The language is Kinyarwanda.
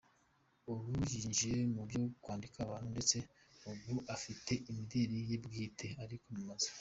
Ubu yinjiye mu byo kwambika abantu ndetse ubu afite imideli ye bwite ari kwamamaza.